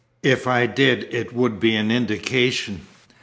"If I did it would be an indication?"